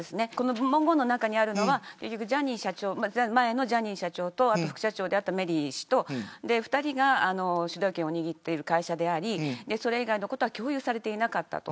文言の中にあるのは前のジャニー社長と副社長であったメリー氏と２人が主導権を握っている会社でありそれ以外のことは共有されていなかった。